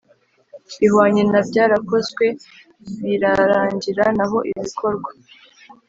bihwanye na byarakozwe birarangira Naho ibikorwa